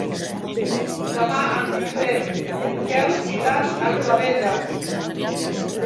Demà en Guifré i en Quel iran a Vilabella.